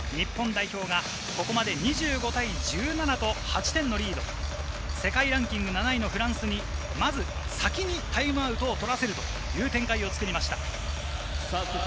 日本代表がここまで２５対１７と８点のリードを世界ランキング７位のフランスにまず先にタイムアウトを取らせるという展開を作りました。